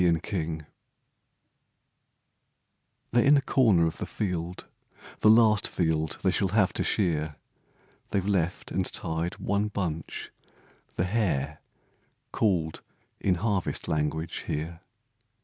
END OF in the corner of the field, * The last field they shall have to shear, They've left and tied one bunch, * the hare/ Called in harvest language here.